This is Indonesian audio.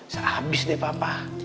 sehabis deh papa